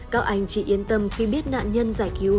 các anh chị yên tâm khi biết nạn nhân giải cứu